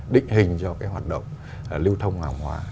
định hình cho cái hoạt động lưu thông hàng hóa